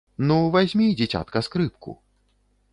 Ну, вазьмі, дзіцятка, скрыпку.